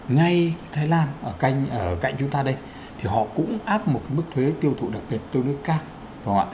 ngay thái lan ở cạnh chúng ta đây thì họ cũng áp một cái mức thuế tiêu thụ đặc biệt tương đối cao